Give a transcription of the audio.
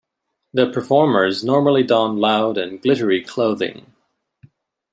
The performers normally don loud and glittery clothing.